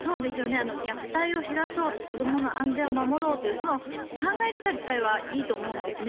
虐待を減らそう子どもの安全を守ろうというその考え方自体はいいと思うんですね。